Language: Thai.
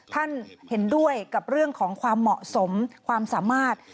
ท่านเห็นด้วยกับเรื่องของความเหมาะสมความสามารถ